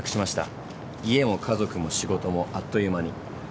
家も家族も仕事もあっという間に。